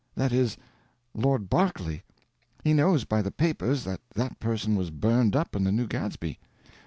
that is, Lord Berkeley. He knows by the papers that that person was burned up in the New Gadsby.